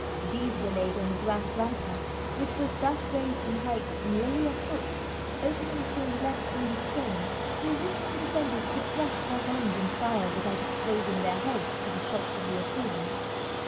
These were laid on the grass rampart, which was thus raised in height nearly a foot, openings being left in the stones through which the defenders could thrust their guns and fire without exposing their heads to the shots of the assailants.